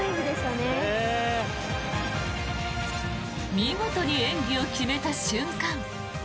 見事に演技を決めた瞬間